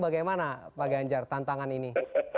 bagaimana pak ganjar tantangan ini